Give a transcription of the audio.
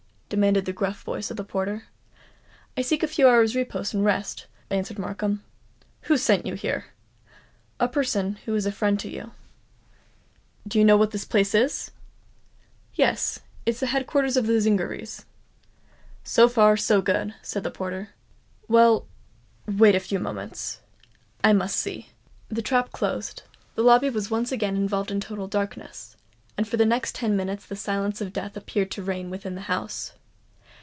demanded the gruff voice of the porter. "I seek a few hours' repose and rest," answered Markham. "Who sent you here?" "A person who is a friend to you." "Do you know what place this is?" "Yes—it is the head quarters of the Zingarees." "So far, so good," said the porter. "Well—wait a few moments—I must see." The trap closed—the lobby was again involved in total darkness; and for the next ten minutes the silence of death appeared to reign within the house.